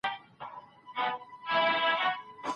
د ميرمني بدي خبري بايد خاوند ونه هڅوي.